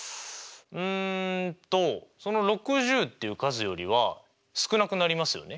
うんとその６０っていう数よりは少なくなりますよね。